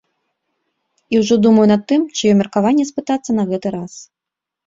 І ўжо думаю над тым, чыё меркаванне спытацца на гэты раз.